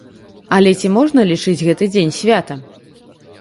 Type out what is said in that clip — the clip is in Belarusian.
Але ці можна лічыць гэты дзень святам?